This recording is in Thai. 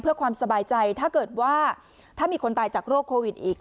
เพื่อความสบายใจถ้าเกิดว่าถ้ามีคนตายจากโรคโควิดอีก